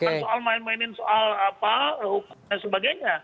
kita soal main mainin soal apa sebagainya